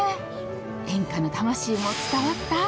演歌の魂も伝わった？